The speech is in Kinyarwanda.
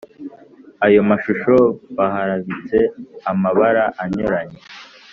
ayo mashusho baharabitse amabara anyuranye;